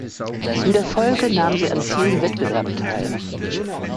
In der Folge nahm sie an vielen Wettbewerben teil.